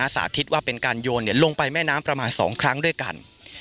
สาธิตว่าเป็นการโยนลงไปแม่น้ำประมาณ๒ครั้งด้วยกัน